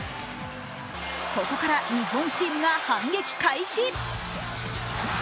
ここから日本チームが反撃開始！